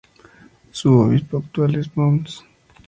Su obispo actual es Mons.